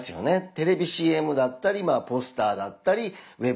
テレビＣＭだったりポスターだったりウェブだったり。